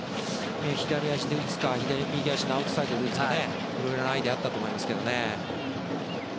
左足で打つか右足のアウトサイドで打つかいろいろなアイデアがあったと思いますけどね。